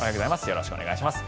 よろしくお願いします。